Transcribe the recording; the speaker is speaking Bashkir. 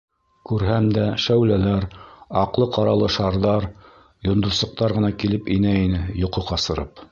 Күрһәм дә, шәүләләр, аҡлы-ҡаралы шарҙар, йондоҙсоҡтар ғына килеп инә ине йоҡо ҡасырып.